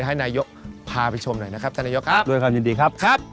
คุณครับด้วยครับยินดีครับ